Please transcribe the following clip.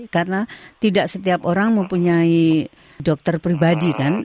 karena tidak setiap orang mempunyai dokter pribadi kan